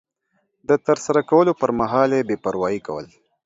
د ترسره کولو پر مهال بې پروایي کول